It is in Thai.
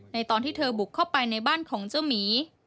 ตอนที่เธอบุกเข้าไปในบ้านของเจ้าหมี